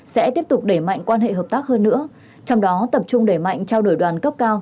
sẽ tiếp tục đẩy mạnh quan hệ hợp tác hơn nữa trong đó tập trung đẩy mạnh trao đổi đoàn cấp cao